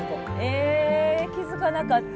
え気付かなかった。